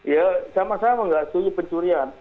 ya sama sama nggak setuju pencurian